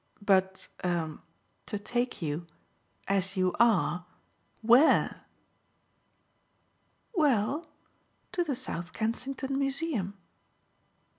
"But a to take you, 'as you are,' WHERE?" "Well, to the South Kensington Museum."